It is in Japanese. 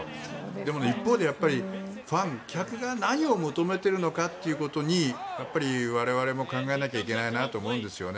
でも、一方でファン、客が何を求めているのかということをやっぱり我々も考えなきゃいけないと思うんですよね。